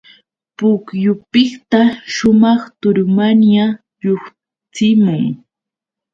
Pukyupiqta sumaq turumanya lluqsimun.